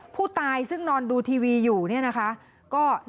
ผู้ตายซึ่งนอนดูทีวีอยู่เนี่ยนะคะ